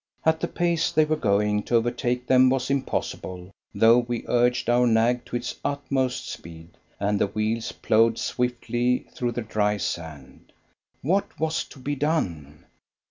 At the pace they were going, to overtake them was impossible, though we urged our nag to its utmost speed, and the wheels ploughed swiftly through the dry sand. What was to be done?